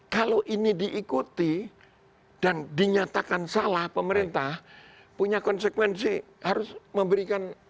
kalau ini diikuti dan dinyatakan salah pemerintah punya konsekuensi harus memberikan